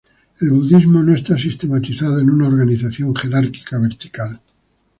El budismo no está sistematizado en una organización jerárquica vertical.